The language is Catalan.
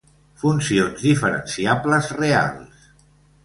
Funcions diferenciables reals.